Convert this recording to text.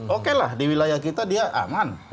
oke lah di wilayah kita dia aman